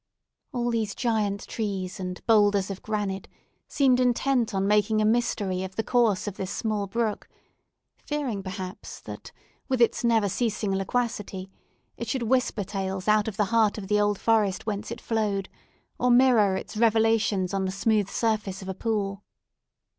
All these giant trees and boulders of granite seemed intent on making a mystery of the course of this small brook; fearing, perhaps, that, with its never ceasing loquacity, it should whisper tales out of the heart of the old forest whence it flowed, or mirror its revelations on the smooth surface of a pool.